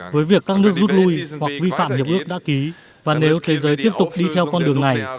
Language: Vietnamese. với việc các nước rút lui hoặc vi phạm hiệp ước đã ký và nếu thế giới tiếp tục đi theo con đường này